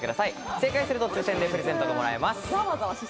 正解すると抽選でプレゼントがもらえます。